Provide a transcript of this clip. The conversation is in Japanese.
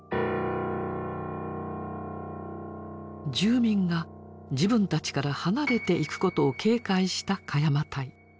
住民が自分たちから離れていくことを警戒した鹿山隊。